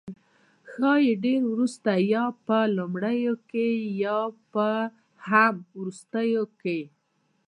ښايي ډیر وروسته، یا په لومړیو کې او یا هم په وروستیو کې